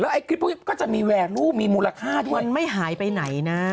แล้วไอ้พวกก็จะมีแวรูมีมูลค่าทุกวันไม่หายไปไหนนะ